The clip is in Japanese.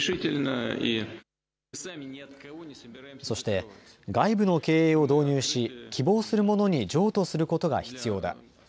そして外部の経営を導入し希望する者に譲渡することが必要だ。